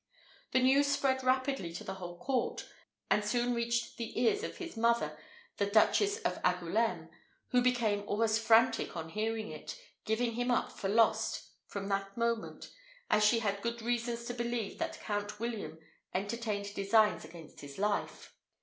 The news spread rapidly to the whole court, and soon reached the ears of his mother the Duchess of Angoulême, who became almost frantic on hearing it, giving him up for lost from that moment, as she had good reasons to believe that Count William entertained designs against his life.